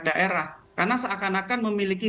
daerah karena seakan akan memiliki